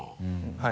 はい。